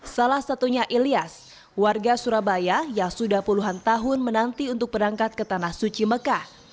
salah satunya ilyas warga surabaya yang sudah puluhan tahun menanti untuk berangkat ke tanah suci mekah